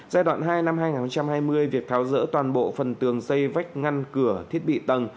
giai đoạn hai năm hai nghìn hai mươi việc tháo rỡ toàn bộ phần tường xây vách ngăn cửa thiết bị tầng